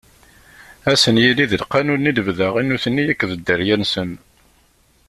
Ad sen-yili d lqanun i lebda i nutni akked dderya-nsen.